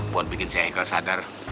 buat bikin si aikal sadar